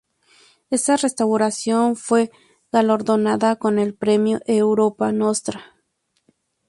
Esa restauración fue galardonada con el Premio "Europa Nostra".